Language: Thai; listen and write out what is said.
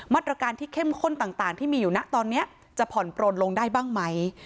มาตรการที่เข้มข้นต่างที่มีอยู่นะตอนนี้จะผ่อนปลนลงได้บ้างไหม